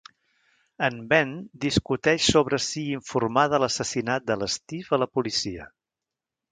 En Ben discuteix sobre si informar de l'assassinat del Steve a la policia.